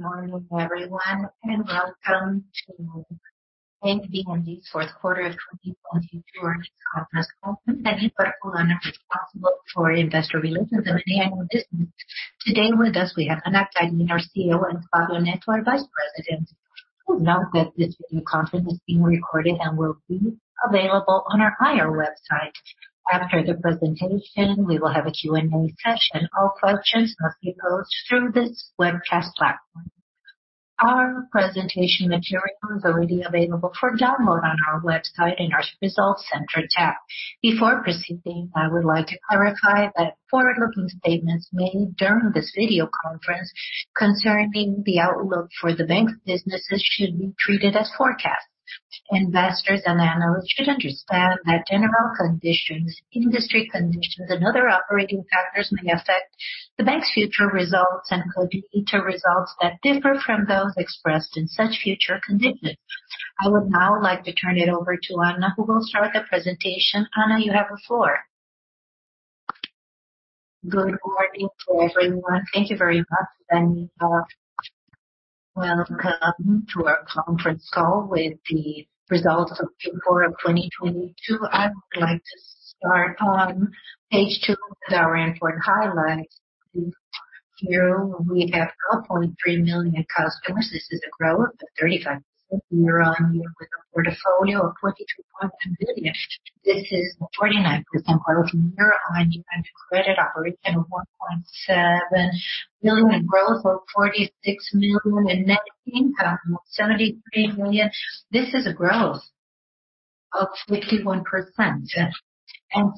Good morning, everyone, and welcome toBanco BMG's fourth quarter of 2022 earnings conference call. My name is Daniela, responsible for investor relations and annual business. Today with us we have Ana Karina, our CEO, and Flávio Neto, our vice president. Please note that this video conference is being recorded and will be available on our IR website. After the presentation, we will have a Q&A session. All questions must be posed through this webcast platform. Our presentation material is already available for download on our website in our results center tab. Before proceeding, I would like to clarify that forward-looking statements made during this video conference concerning the outlook for the bank's businesses should be treated as forecasts. Investors and analysts should understand that general conditions, industry conditions, and other operating factors may affect the bank's future results and could lead to results that differ from those expressed in such future conditions. I would now like to turn it over to Ana, who will start the presentation. Ana, you have the floor. Good morning to everyone. Thank you very much, Daniela. Welcome to our conference call with the results of Q4 of 2022. I would like to start on page 2 with our important highlights. Here we have 4.3 million customers. This is a growth of 35% year-over-year with a portfolio of 22.1 billion. This is a 49% growth year-over-year and credit operation of 1.7 billion growth of 46 million and net income of 73 million. This is a growth of 51%.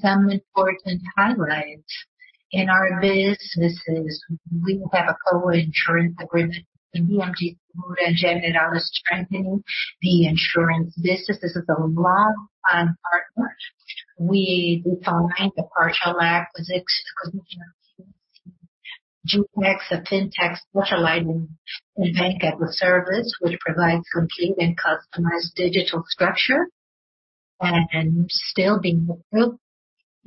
Some important highlights. In our businesses, we have a co-insurance agreement with BMG and Generali strengthening the insurance business. This is a lot on our part. We finalized the partial acquisition of QGX, a fintech specializing in Banking as a Service, which provides complete and customized digital structure and still being built.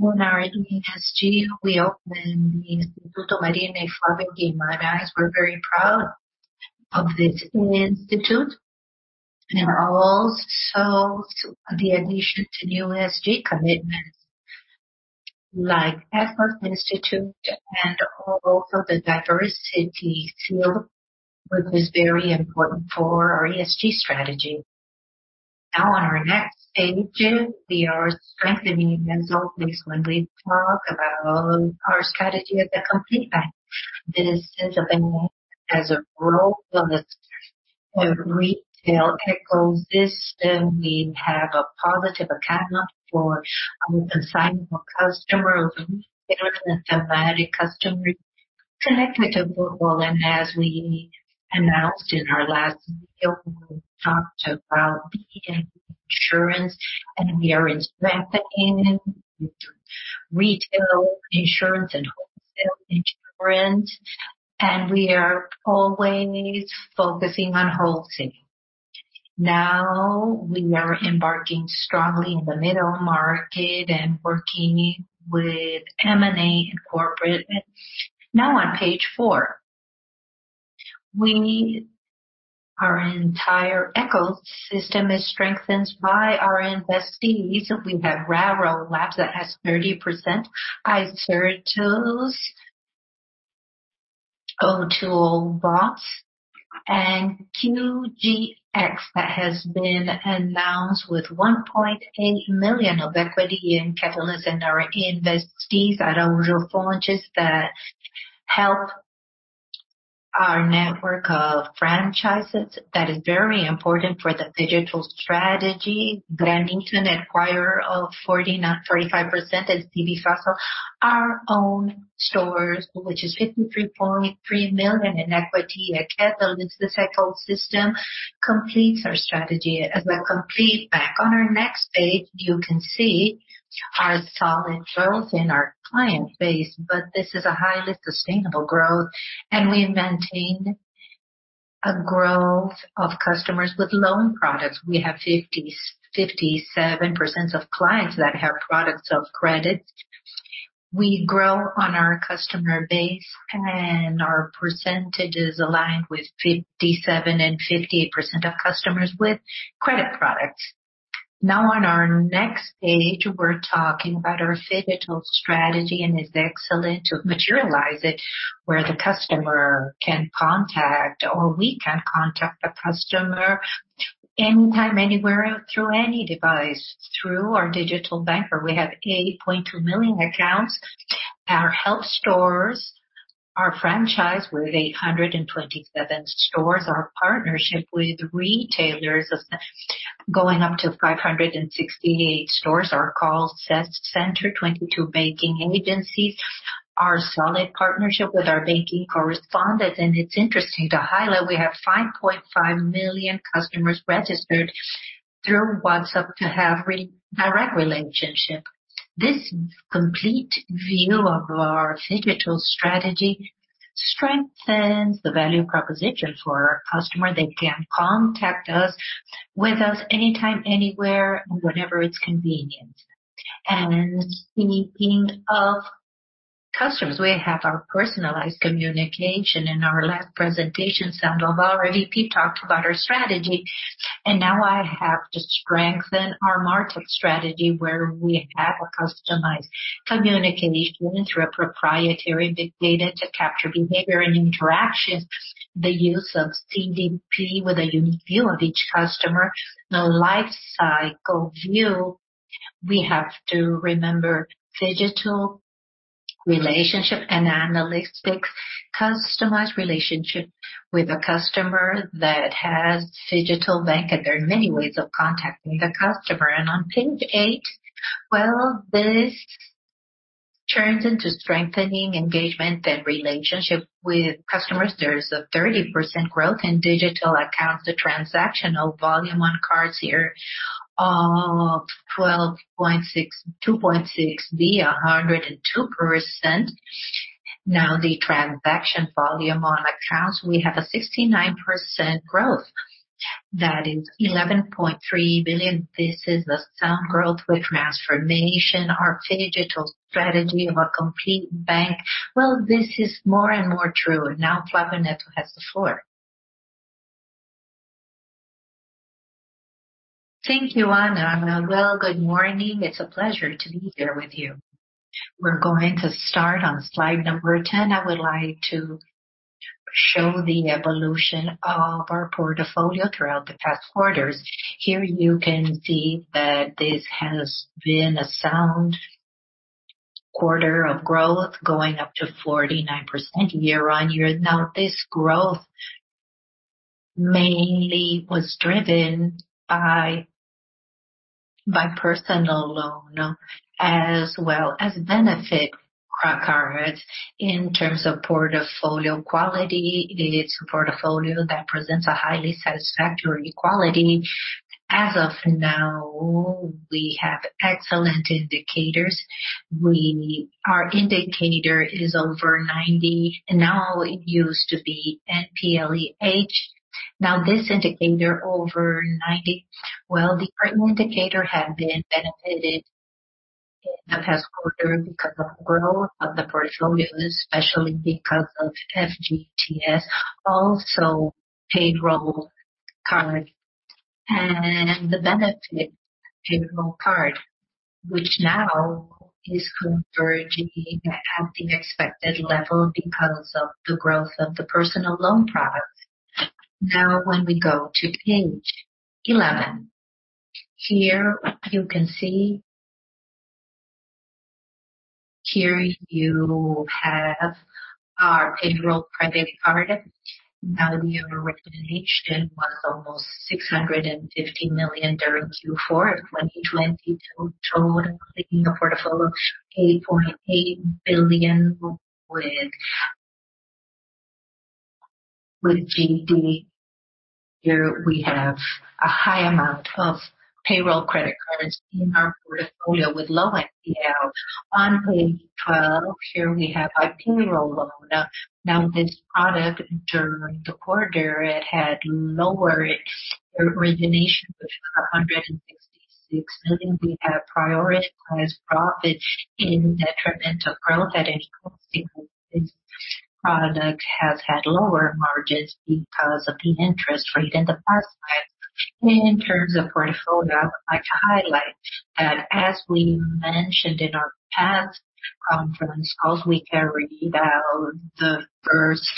Our ESG, we opened the Instituto Marina e Flávio Guimarães. We're very proud of this institute. Also the addition to new ESG commitments like EdTech Institute and also the diversity field, which is very important for our ESG strategy. Our next page, we are strengthening as always when we talk about our strategy as a complete bank. This is a bank as a role of a retail ecosystem. We have a positive account for assignable customer, a systematic customer connected to Google. As we announced in our last field, we talked about the insurance, and we are strengthening retail insurance and wholesale insurance, and we are always focusing on wholesaling. We are embarking strongly in the middle market and working with M&A and corporate. On page four. Our entire ecosystem is strengthened by our investees. We have Raro Labs that has 30%. iCertus, O2OBOTS, and QGX that has been announced with 1.8 million of equity in capital in our investees, are our resources that help our network of franchises. That is very important for the digital strategy. Granito acquirer of 49%, 45% is. [inaudible] Our own stores, which is 53.3 million in equity and capital. This ecosystem completes our strategy as a complete bank. On our next page, you can see our solid growth in our client base. This is a highly sustainable growth, we maintain a growth of customers with loan products. We have 57% of clients that have products of credit. We grow on our customer base, our percentage is aligned with 57% and 58% of customers with credit products. On our next page, we're talking about our phygital strategy. It's excellent to materialize it where the customer can contact or we can contact the customer anytime, anywhere, or through any device. Through our digital banker, we have 8.2 million accounts. Our health stores, our franchise with 827 stores, our partnership with retailers of going up to 568 stores, our call center, 22 banking agencies, our solid partnership with our banking correspondents. It's interesting to highlight, we have 5.5 million customers registered through WhatsApp to have direct relationship. This complete view of our phygital strategy strengthens the value proposition for our customer. They can contact us, with us anytime, anywhere, whenever it's convenient. Speaking of Customers, we have our personalized communication. In our last presentation, Sandoval Martins, our VP, talked about our strategy. Now I have to strengthen our market strategy where we have a customized communication through a proprietary big data to capture behavior and interactions, the use of CDP with a unique view of each customer, the life cycle view. We have to remember digital relationship and analytics, customized relationship with a customer that has digital bank, and there are many ways of contacting the customer. On page 8, well, this turns into strengthening engagement and relationship with customers. There's a 30% growth in digital accounts. The transactional volume on cards here are BRL 2.6 billion, 102%. The transaction volume on accounts, we have a 69% growth. That is 11.3 billion. This is a sound growth with transformation. Our digital strategy of a complete bank. This is more and more true. Flávio Neto has the floor. Thank you, Ana. Good morning. It's a pleasure to be here with you. We're going to start on slide number 10. I would like to show the evolution of our portfolio throughout the past quarters. Here you can see that this has been a sound quarter of growth going up to 49% year-over-year. This growth mainly was driven by personal loan as well as benefit credit cards. In terms of portfolio quality, it's a portfolio that presents a highly satisfactory quality. As of now, we have excellent indicators. Our indicator is over 90. It used to be NPL E-H. This indicator over 90. Well, the current indicator have been benefited in the past quarter because of growth of the portfolio, especially because of FGTS, also payroll card and the benefit payroll card, which is now converging at the expected level because of the growth of the personal loan products. When we go to page 11. Here you can see Here you have our payroll private card. The origination was almost 650 million during Q4 of 2022. Total clean portfolio, 8.8 billion with GD. Here we have a high amount of payroll credit cards in our portfolio with low NPL. On page 12, here we have our payroll loan. This product during the quarter, it had lower origination of 166 million. We have prioritized profit in detriment of growth. That is because this product has had lower margins because of the interest rate in the past months. In terms of portfolio, I would like to highlight that as we mentioned in our past conference calls, we carried out the first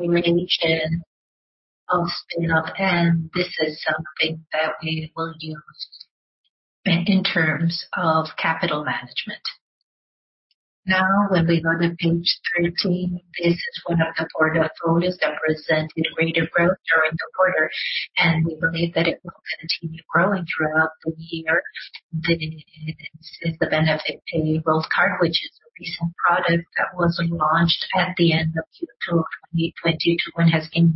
origination of spin-off, and this is something that we will use in terms of capital management. When we go to page 13, this is one of the portfolios that presented rate of growth during the quarter, and we believe that it will continue growing throughout the year. This is the benefit payroll card, which is a recent product that was launched at the end of Q2 of 2022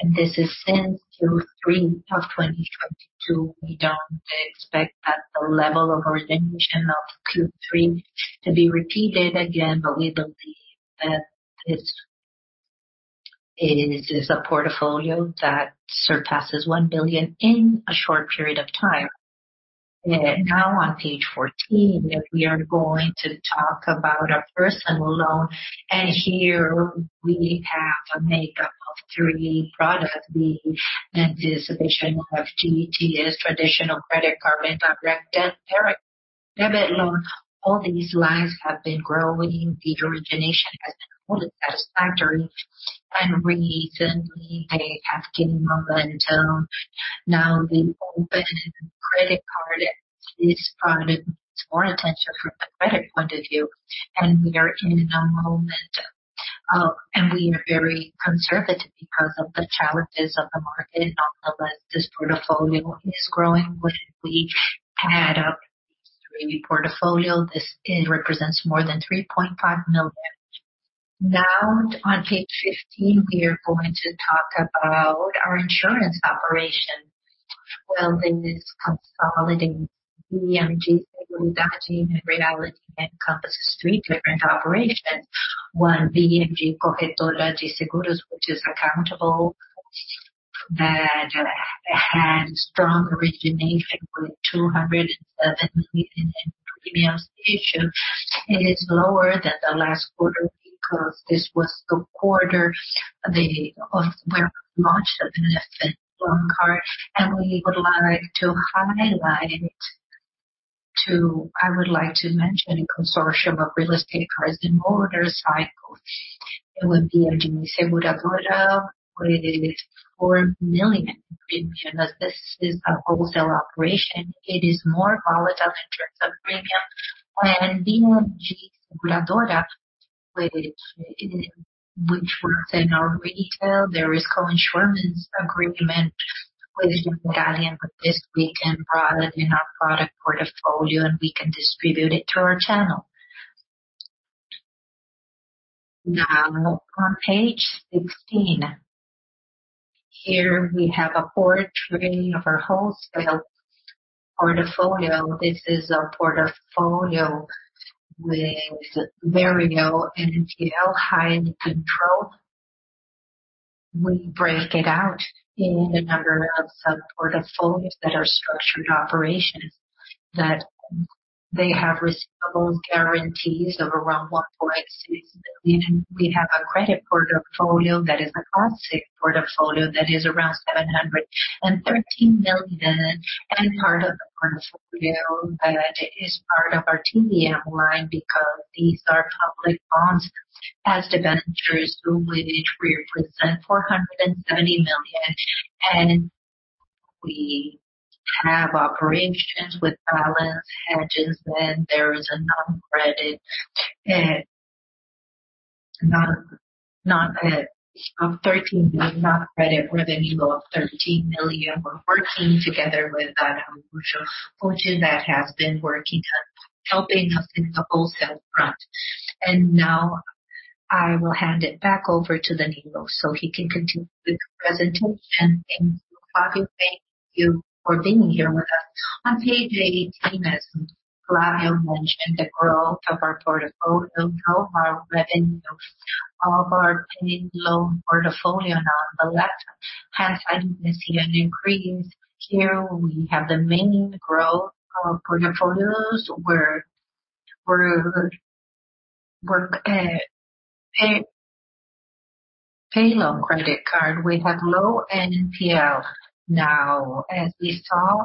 and has gained momentum. This is since Q3 of 2022. We don't expect that the level of origination of Q3 to be repeated again, but we believe that this is a portfolio that surpasses 1 billion in a short period of time. On page 14, we are going to talk about our personal loan. Here we have a makeup of three products, the anticipation of FGTS, traditional credit card, and direct debit loan. All these lines have been growing. The origination has been fully satisfactory. Recently they have gained momentum. open sea credit card is product needs more attention from a credit point of view, and we are in a momentum. We are very conservative because of the challenges of the market. Nonetheless, this portfolio is growing. When we add up these three portfolio, it represents more than 3.5 million. Now on page 15, we are going to talk about our insurance operation. This consolidating BMG Seguradora and Realize encompasses three different operations. One, BMG Corretora de Seguros, which had strong origination with 207 million in premiums issued. It is lower than the last quarter because this was the quarter of where launch of the [inaudible] loan card, I would like to mention a consortium of real estate cards in order cycle. It would be BMG Seguradora with 4 million in premium. This is a wholesale operation. It is more volatile in terms of premium. BMG Seguradora, which works in our retail, there is co-insurance agreement with Medallion with this week and product in our product portfolio, and we can distribute it through our channel. Now on page 16. Here we have a portrait of our wholesale portfolio. This is a portfolio with very low NPL, high control. We break it out in a number of sub-portfolios that are structured operations, that they have receivables guarantees of around 1.6 million. We have a credit portfolio that is a classic portfolio that is around 713 million, and part of the portfolio that is part of our TBM line because these are public bonds as debentures, so which represent 470 million. We have operations with balance hedges, and there is a non-credit, non-credit of BRL 13 million non-credit with an evil of 13 million. We're working together with that commercial function that has been working on helping us in the wholesale front. Now I will hand it back over to Daniela so he can continue with the presentation. Thank you, Flávio. Thank you for being here with us. On page 18, as Flávio mentioned, the growth of our portfolio, our revenue of our payroll loan portfolio. Now on the left has, as you can see, an increase. Here we have the main growth of portfolios where we're pay loan credit card. We have low NPL. Now, as we saw,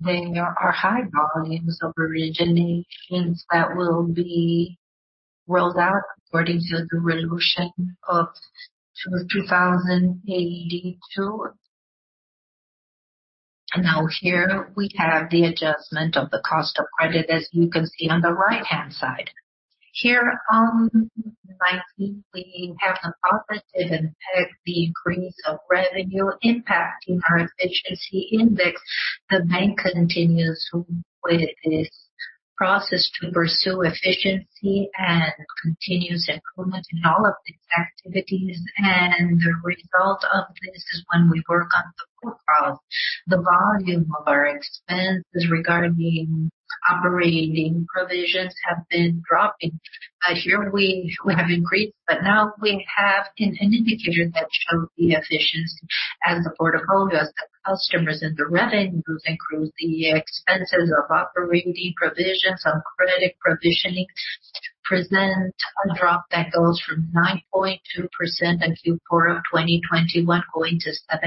there are high volumes of originations that will be rolled out according to the Resolution 2,082. Now here we have the adjustment of the cost of credit, as you can see on the right-hand side. Here on 19, we have a positive impact, the increase of revenue impacting our efficiency index. The bank continues with its process to pursue efficiency and continuous improvement in all of these activities. The result of this is when we work on the profiles, the volume of our expenses regarding operating provisions have been dropping. Here we have increased, but now we have an indicator that shows the efficiency as the portfolios, the customers and the revenues include the expenses of operating provisions on credit provisioning present a drop that goes from 9.2% in Q4 of 2021, going to 7.5%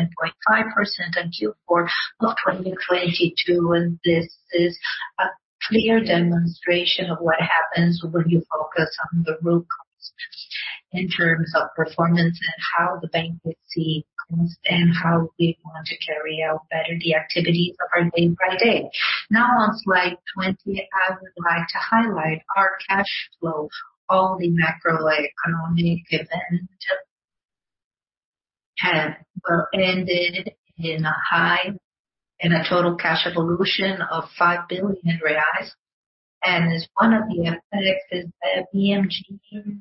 in Q4 of 2022. This is a clear demonstration of what happens when you focus on the root cause in terms of performance and how the bank would see cost and how we want to carry out better the activities of our day by day. Now on slide 20, I would like to highlight our cash flow. All the macro economy given to have ended in a high in a total cash evolution of 5 billion reais. As one of the effects is that BMG.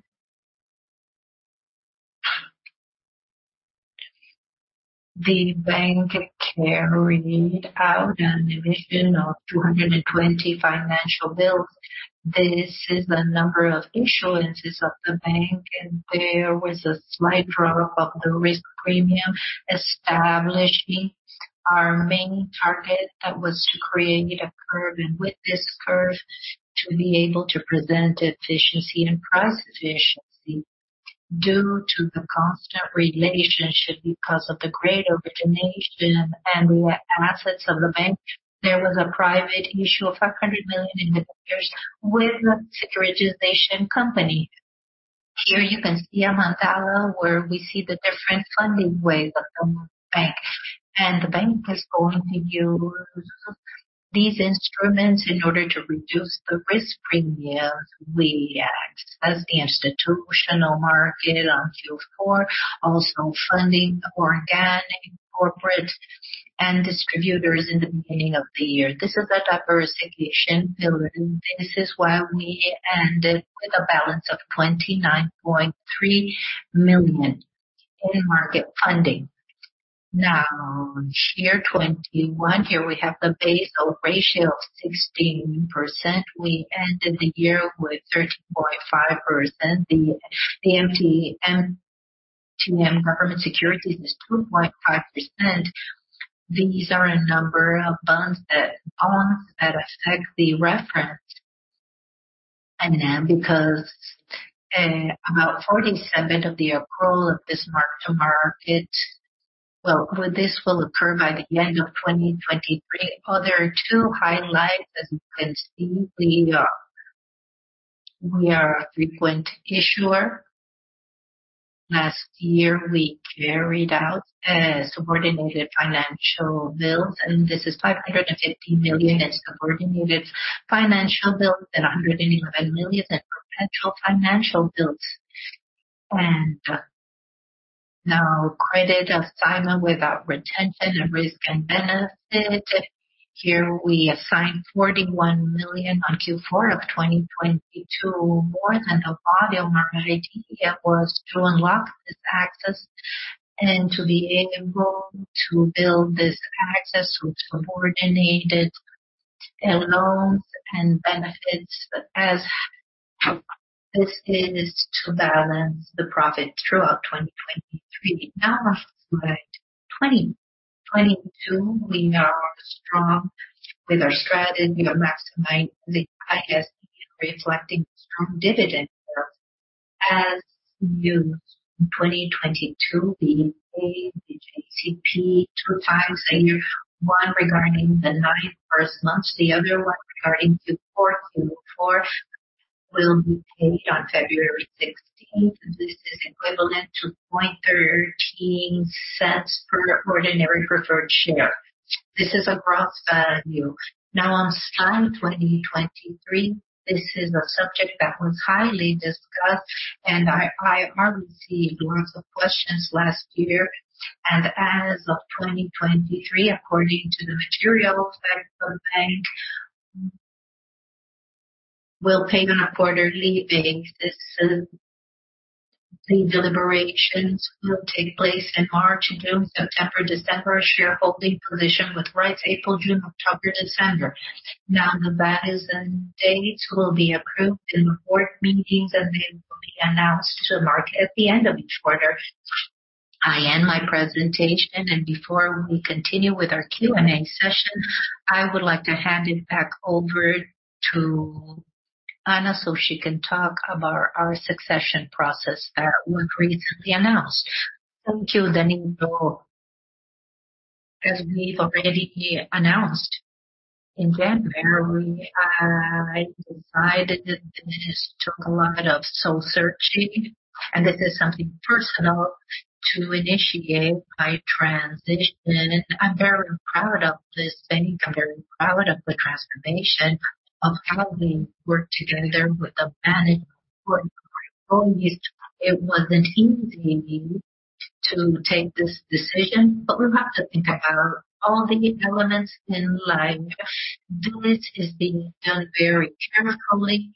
The bank carried out an emission of 220 financial bills. This is the number of insurances of the bank, and there was a slight drop of the risk premium establishing our main target that was to create a curve, and with this curve, to be able to present efficiency and price efficiency. Due to the constant relationship because of the great origination and the assets of the bank, there was a private issue of 500 million in debentures with the securitization company. Here you can see a mandala where we see the different funding ways of the bank. The bank is going to use these instruments in order to reduce the risk premiums. We access the institutional market on Q4, also funding organic corporate and distributors in the beginning of the year. This is a diversification building. This is why we ended with a balance of 29.3 million in market funding. Now here, 21. Here we have the Basel ratio of 16%. We ended the year with 13.5%. The MTM to government securities is 2.5%. These are a number of bonds that effectively reference MTM because about 47% of the accrual of this mark-to-market. Well, with this will occur by the end of 2023. Other two highlights, as you can see, we are a frequent issuer. Last year, we carried out subordinated financial bills. This is 550 million in subordinated financial bills and 111 million in perpetual financial bills. Credit assignment without retention and risk and benefit. Here we assigned 41 million on Q4 of 2022. More than the volume. Our idea was to unlock this access and to be able to build this access with subordinated loans and benefits. As this is to balance the profit throughout 2023. Slide 20. 2022, we are strong with our strategy of maximizing the ISE, reflecting strong dividend growth. As you, in 2022, we paid JCP 2 times a year, one regarding the 9 first months, the other one regarding Q4. Q4 will be paid on February 16th. This is equivalent to 0.13 per ordinary preferred share. This is a gross value. On slide 2023, this is a subject that was highly discussed, and I hardly received lots of questions last year. As of 2023, according to the material effects of the bank, we'll payment quarterly basis. The deliberations will take place in March, June, September, December. Shareholding position with rights April, June, October, December. The matters and dates will be approved in the board meetings, and they will be announced to the market at the end of each quarter. I end my presentation, and before we continue with our Q&A session, I would like to hand it back over to Ana, so she can talk about our succession process that was recently announced. Thank you, Daniela. As we've already announced in January, I decided that this took a lot of soul-searching, and this is something personal to initiate my transition. I'm very proud of this bank. I'm very proud of the transformation of how we worked together with the management board, my employees. It wasn't easy to take this decision. We have to think about all the elements in life. This is being done very carefully.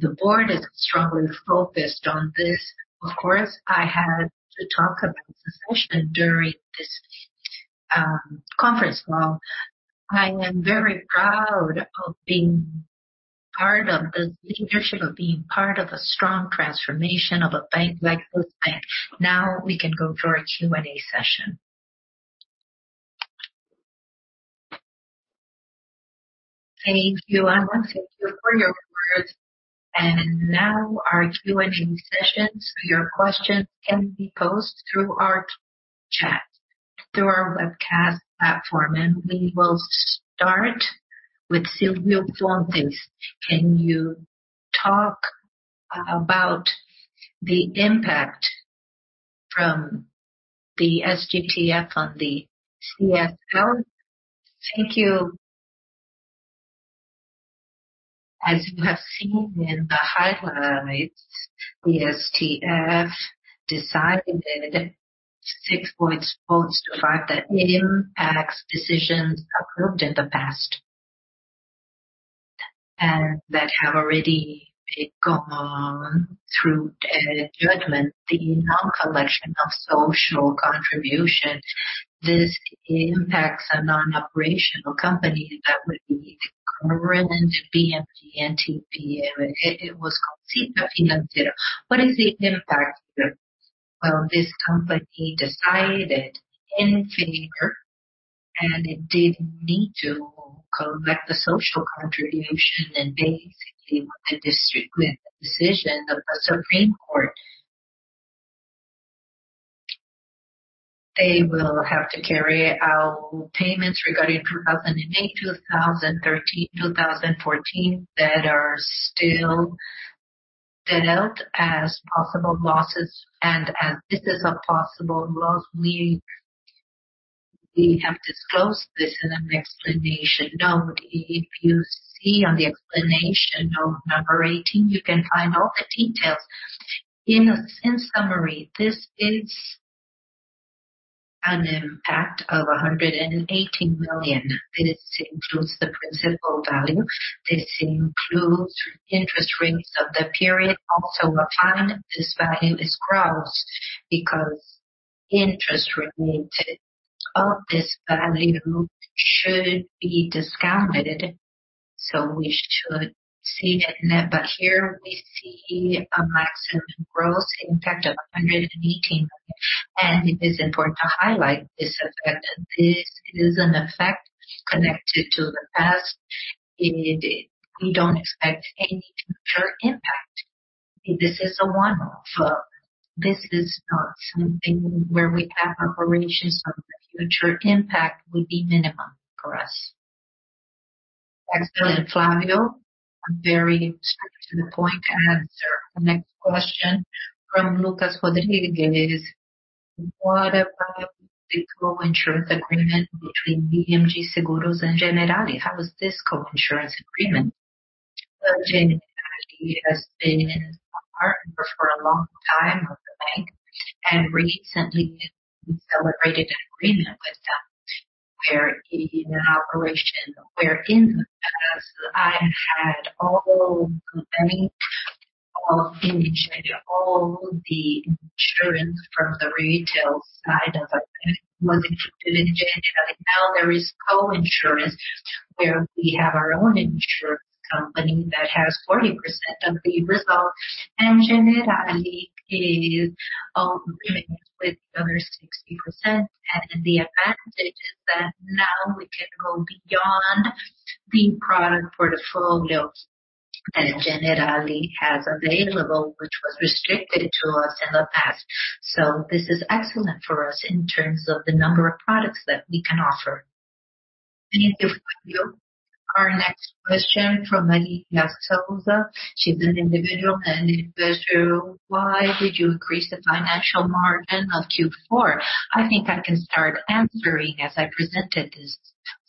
The board is strongly focused on this. Of course, I had to talk about succession during this conference call. I am very proud of being part of the leadership, of being part of a strong transformation of a bank like this bank. We can go for a Q&A session. Thank you, Ana. Thank you for your words. Our Q&A sessions. Your questions can be posed through our chat, through our webcast platform. We will start with Silvio Fontes. Can you talk about the impact from the STF on the CFL? Thank you. As you have seen in the highlights, the STF decided [inaudible] that impacts decisions approved in the past and that have already gone through judgment. The non-collection of social contributions, this impacts a non-operational company that would be current BMP, NTP. It was called CIFRA. What is the impact here? Well, this company decided in favor, it didn't need to collect the social contribution and basically with the decision of the Supreme Court. They will have to carry out payments regarding 2008, 2013, 2014, that are still held as possible losses. As this is a possible loss, we have disclosed this in an explanation note. If you see on the explanation note number 18, you can find all the details. In summary, this is an impact of 180 million. This includes the principal value. This includes interest rates of the period. Upon this value is gross because interest related of this value should be discounted. We should see it net. Here we see a maximum growth, in fact, of 118. It is important to highlight this effect, that this is an effect connected to the past. We don't expect any future impact. This is a one-off. This is not something where we have operations of the future impact would be minimum for us. Excellent, Flávio. A very straight to the point answer. The next question from Lucas Rodriguez. What about the co-insurance agreement between BMG Seguros and Generali? How is this co-insurance agreement? Well, Generali has been a partner for a long time of the bank. Recently we celebrated an agreement with them where in the past, I had all the company, all the insured, all the insurance from the retail side of it was insured through Generali. Now there is co-insurance where we have our own insurance company that has 40% of the result. Generali remains with the other 60%. The advantage is that now we can go beyond the product portfolios that Generali has available, which was restricted to us in the past. This is excellent for us in terms of the number of products that we can offer. Thank you, Flávio. Our next question from Maria Souza. She's an individual and investor. Why did you increase the financial margin of Q4? I think I can start answering. As I presented this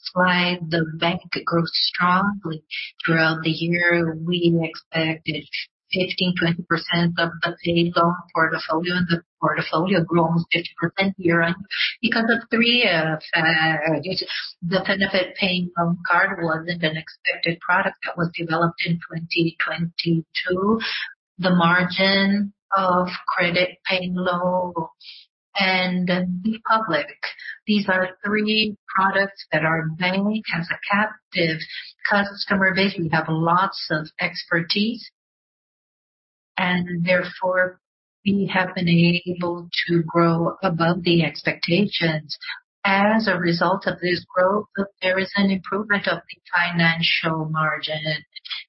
slide, the bank grows strongly throughout the year. We expected 15%, 20% of the payroll loan portfolio, and the portfolio grew almost 50% year on because of three factors. The benefit payroll card wasn't an expected product that was developed in 2022. The margin of credit payroll loan and the public. These are three products that our bank has a captive customer base. We have lots of expertise and therefore we have been able to grow above the expectations. As a result of this growth, there is an improvement of the financial margin.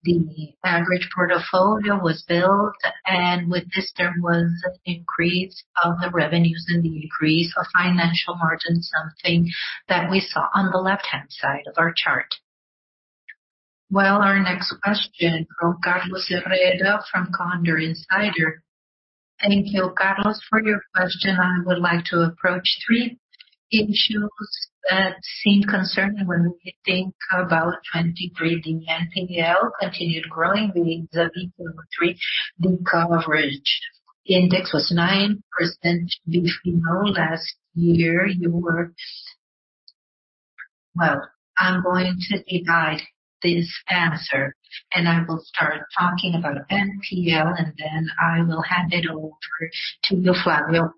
The average portfolio was built, and with this there was an increase of the revenues and the increase of financial margin, something that we saw on the left-hand side of our chart. Well, our next question from Carlos C. Herrera from Condor Insider. Thank you, Carlos, for your question. I would like to approach 3 issues that seem concerning when we think about 2023. The NPL continued growing vis-á-vis Q3. The coverage index was 9% vis-á-vis last year. Well, I'm going to divide this answer, and I will start talking about NPL, and then I will hand it over to you, Flavio.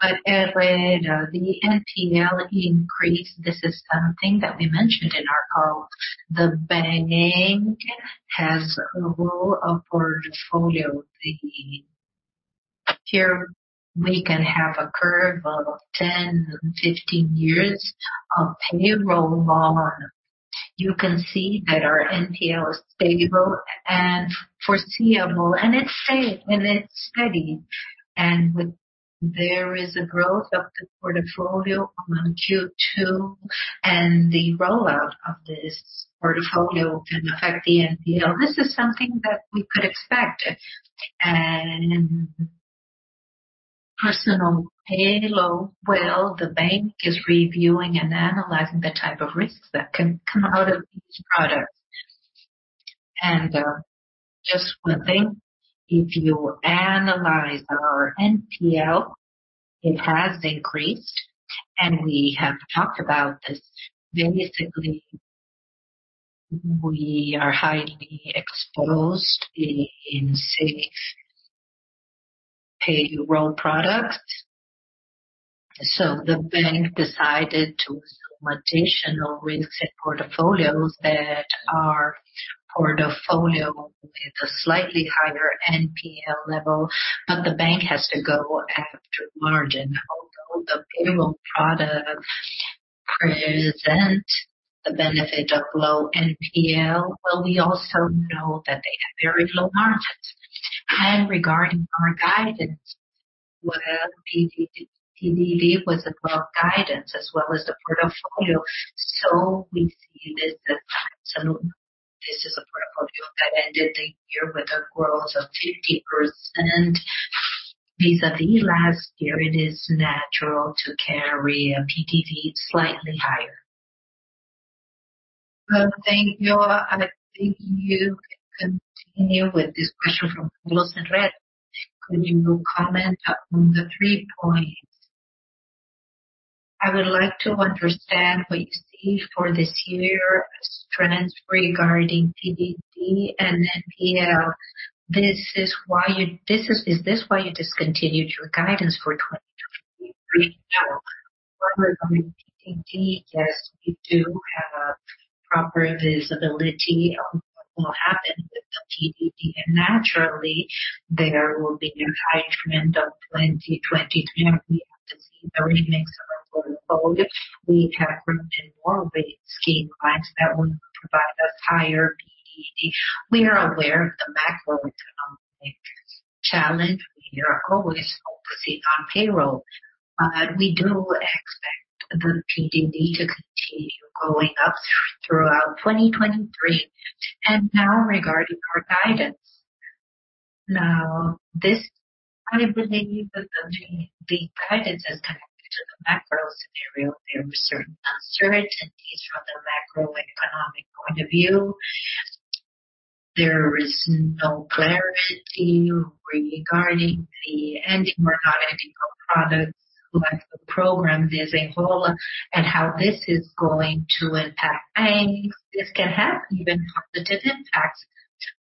Herrera, the NPL increase, this is something that we mentioned in our call. The bank has a role of portfolio. Here we can have a curve of 10, 15 years of payroll loan. You can see that our NPL is stable and foreseeable, and it's steady. There is a growth of the portfolio among Q2, and the rollout of this portfolio can affect the NPL. This is something that we could expect. Personal payroll loan, well, the bank is reviewing and analyzing the type of risks that can come out of these products. Just one thing. If you analyze our NPL, it has increased, and we have talked about this. Basically, we are highly exposed in 6 payroll products. The bank decided to assume additional risks in portfolios that our portfolio with a slightly higher NPL level, but the bank has to go after margin. Although the payroll products present the benefit of low NPL, well, we also know that they have very low margins. Regarding our guidance, well, PDD was above guidance as well as the portfolio. We see this as absolute. This is a portfolio that ended the year with a growth of 50% vis-á-vis last year. It is natural to carry a PDD slightly higher. Well, thank you. I think you can continue with this question from Carlos Herrera. Could you comment on the three points? I would like to understand what you see for this year as trends regarding PDD and NPL. Is this why you discontinued your guidance for twenty-? Yes, we do have proper visibility on what will happen with the TDD. Naturally, there will be an high trend of 2020. Now we have to see the remix of our portfolio. We have room to normalize scheme clients that will provide us higher TDD. We are aware of the macroeconomic challenge. We are always focusing on payroll. We do expect the TDD to continue going up throughout 2023. Now regarding our guidance. Now, this, I believe that the credits is connected to the macro scenario. There are certain uncertainties from the macroeconomic point of view. There is no clarity regarding the ending or not ending of products like the program Viva o Lar and how this is going to impact. This can have even positive impacts,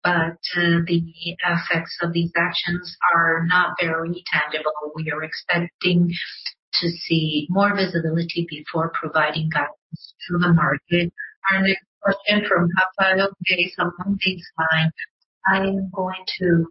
but the effects of these actions are not very tangible. We are expecting to see more visibility before providing guidance to the market. Our next question from Pablo. Okay, on this line, I am going to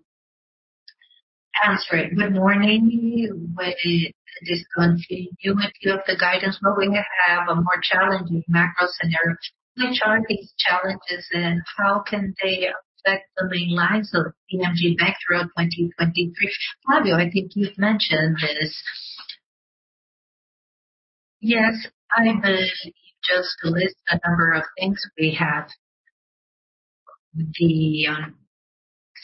answer it. Good morning. Will it discontinue if you have the guidance moving ahead, a more challenging macro scenario? Which are these challenges and how can they affect the main lines of Banco BMG throughout 2023? Pablo, I think you've mentioned this. Yes, I will just list a number of things we have. The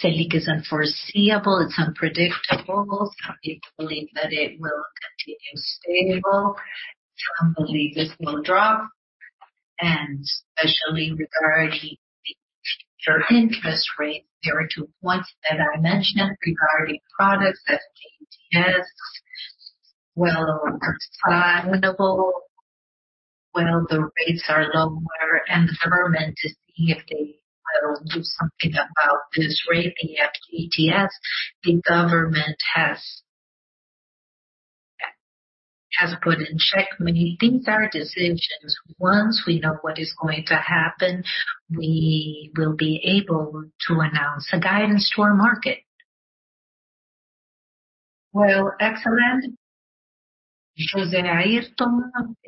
Selic is unforeseeable. It's unpredictable. Some people believe that it will continue stable. Some believe it will drop. Especially regarding the future interest rates, there are two points that I mentioned regarding products FGTS. Well, are desirable when the rates are lower and the government to see if they will do something about this rate, the FGTS. The government has put in check many things or decisions. Once we know what is going to happen, we will be able to announce a guidance to our market. Well, excellent. Jose Aristo.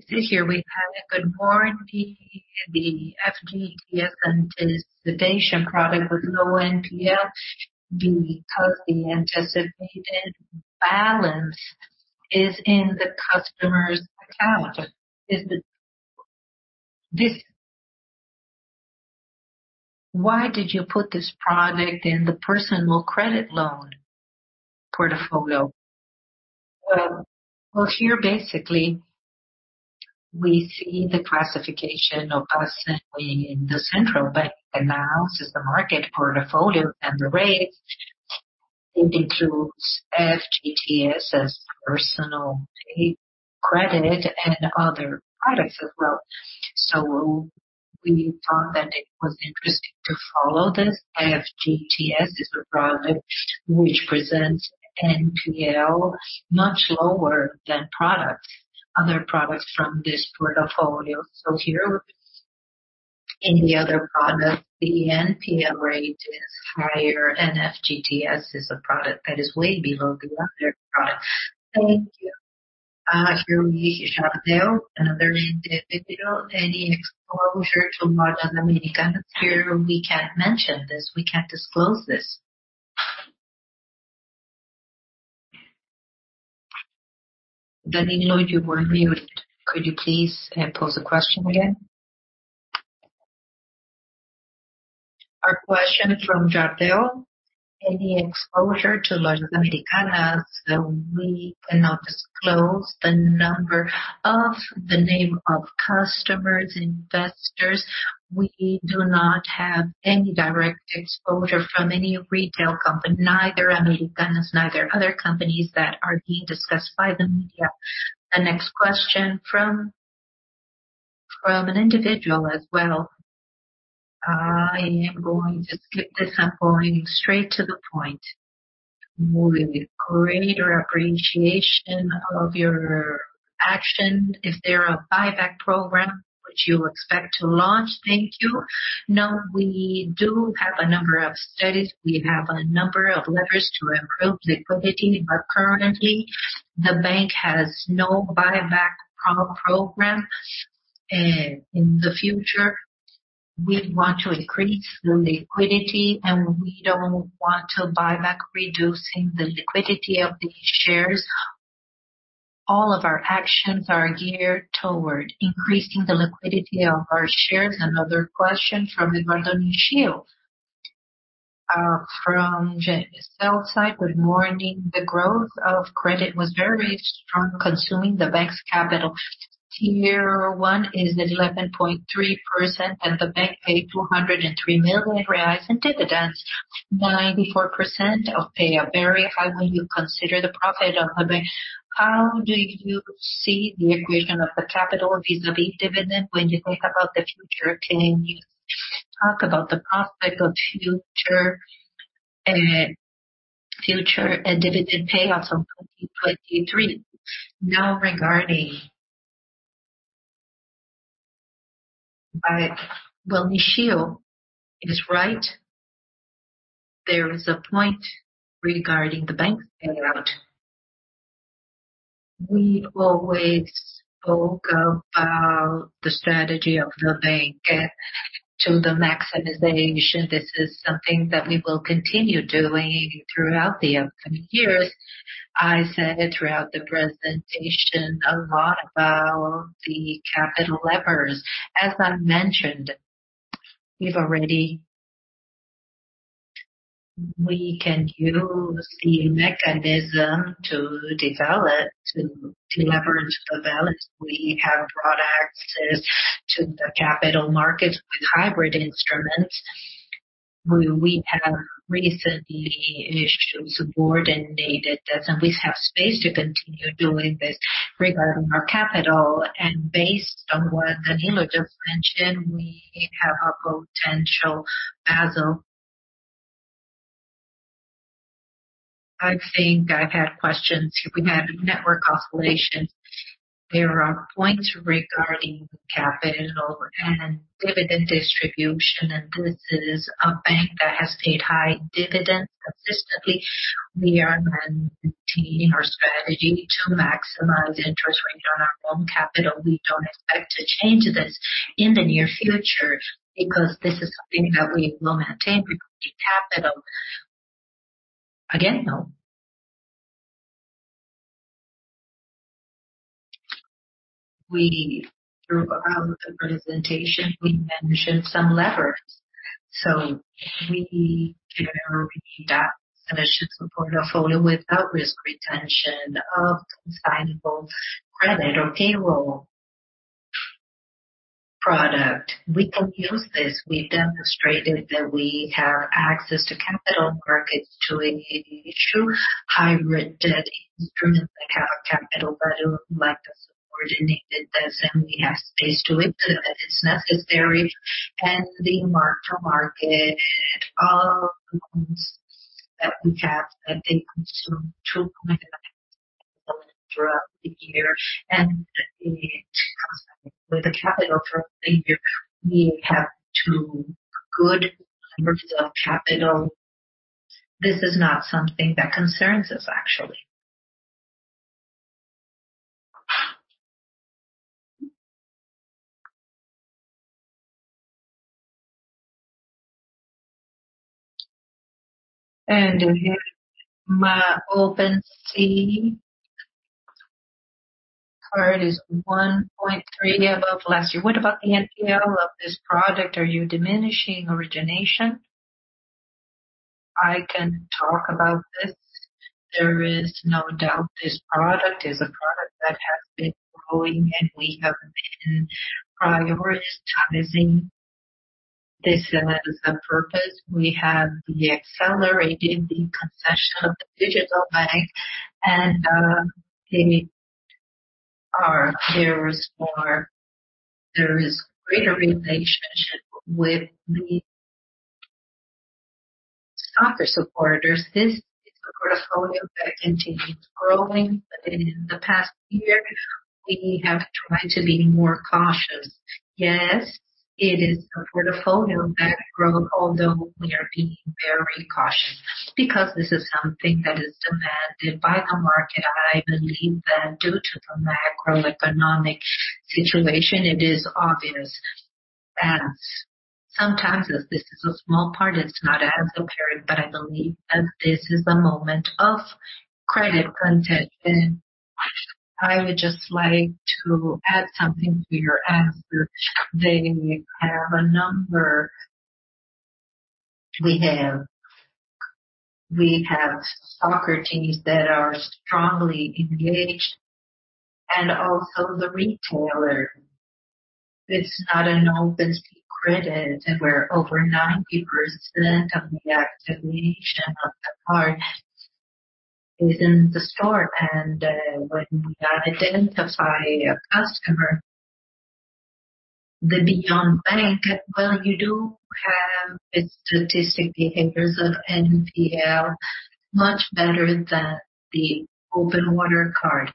This year we had a good warranty. The FGTS anticipation product with low NPL because the anticipated balance is in the customer's account. Why did you put this product in the personal credit loan portfolio? Well, here basically we see the classification of us and we in the central bank announces the market portfolio and the rates. It includes FGTS as personal credit and other products as well. We found that it was interesting to follow this. FGTS is a product which presents NPL much lower than products, other products from this portfolio. Here in the other product, the NPL rate is higher, and FGTS is a product that is way below the other products. Thank you. Here we Jardel. Another individual. Any exposure to Lojas Americanas? Here we can't mention this. We can't disclose this. Danilo, you were muted. Could you please pose the question again? Our question from Jardel. Any exposure to Lojas Americanas? We cannot disclose the number of the name of customers, investors. We do not have any direct exposure from any retail company, neither Americanas, neither other companies that are being discussed by the media. The next question from an individual as well. I am going to skip this. I'm going straight to the point. Moving with greater appreciation of your action. Is there a buyback program which you expect to launch? Thank you. We do have a number of studies. We have a number of levers to improve liquidity, but currently, the bank has no buyback program. In the future, we want to increase the liquidity, and we don't want to buy back reducing the liquidity of these shares. All of our actions are geared toward increasing the liquidity of our shares. Another question from Eduardo Nishio. From the sell side. Good morning. The growth of credit was very strong, consuming the bank's capital. Tier 1 is 11.3%, and the bank paid 203 million reais in dividends. 94% of pay are very high when you consider the profit of the bank. How do you see the equation of the capital vis-á-vis dividend when you think about the future changes? Talk about the prospect of future and dividend payoffs of 2023. Well, Nishio is right. There is a point regarding the bank payout. We always spoke about the strategy of the bank to the maximization. This is something that we will continue doing throughout the upcoming years. I said it throughout the presentation a lot about the capital levers. As I mentioned, we've already. We can use the mechanism to leverage the balance. We have products as to the capital markets with hybrid instruments. We have recently issued subordinated debts, and we have space to continue doing this regarding our capital. Based on what Danilo just mentioned, we have a potential as a. I think I've had questions. We had network oscillations. There are points regarding capital and dividend distribution, and this is a bank that has paid high dividends consistently. We are maintaining our strategy to maximize interest rate on our own capital. We don't expect to change this in the near future because this is something that we will maintain with the capital. Again, no. Throughout the presentation, we mentioned some levers. We generally adapt solutions portfolio with our risk retention of consignable credit or payroll product. We can use this. We've demonstrated that we have access to capital markets to issue hybrid debt instruments that have capital, but like a subordinated debt, and we have space to issue if it's necessary. The mark-to-market of the loans that we have, that they consume 2.9 throughout the year, and it comes with a capital for a year. We have two good numbers of capital. This is not something that concerns us, actually. We have my open sea card is 1.3 above last year. What about the NPL of this product? Are you diminishing origination? I can talk about this. There is no doubt this product is a product that has been growing, we have been prioritizing this as a purpose. We accelerated the concession of the digital bank, there is greater relationship with the software supporters. This is a portfolio that continues growing. In the past year, we have tried to be more cautious. Yes, it is a portfolio that grow, although we are being very cautious because this is something that is demanded by the market. I believe that due to the macroeconomic situation, it is obvious. Sometimes this is a small part. It's not as apparent, but I believe that this is a moment of credit contagion. I would just like to add something to your answer. We have soccer teams that are strongly engaged and also the retailer. It's not an open sea credit where over 90% of the activation of the card is in the store. When we identify a customer, the Beyond bank, well, you do have its statistic behaviors of NPL much better than the Open Water card.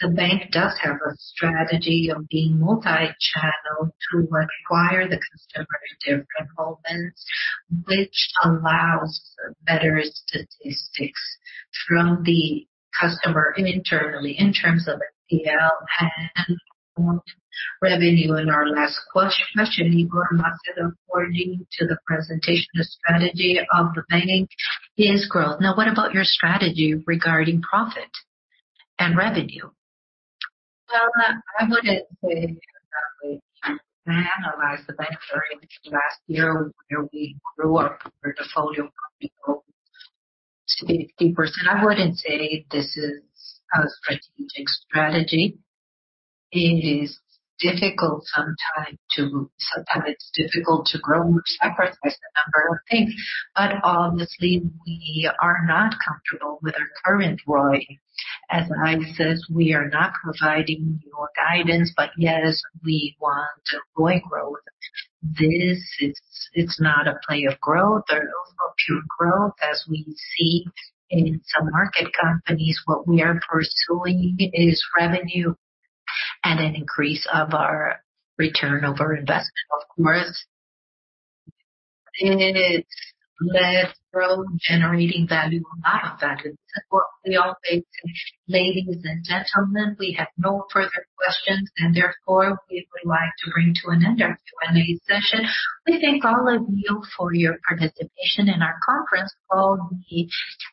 The bank does have a strategy of being multi-channel to acquire the customer at different moments, which allows better statistics from the customer internally in terms of NPL and revenue. Our last question, Igor, according to the presentation, the strategy of the bank is growth. Now, what about your strategy regarding profit and revenue? Well, I wouldn't say... When I analyze the bank during last year where we grew our portfolio by over 60%, I wouldn't say this is a strategic strategy. Sometimes it's difficult to grow, which sacrifices a number of things. Obviously we are not comfortable with our current ROI. As I said, we are not providing your guidance, but yes, we want ROI growth. It's not a play of growth or pure growth as we see in some market companies. What we are pursuing is revenue and an increase of our return over investment. Of course, it's less growth generating value or not a value. Ladies and gentlemen, we have no further questions, therefore, we would like to bring to an end our Q&A session. We thank all of you for your participation in our conference call. The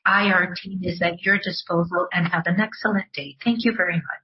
IR team is at your disposal, and have an excellent day. Thank you very much.